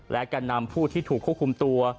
และแก่นำผู้ที่ถูกควบคุมตัว